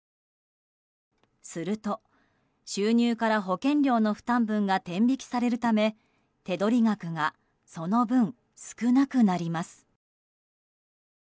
すると、収入から保険料の負担分が天引きされるため手取り額がその分、少なくなります。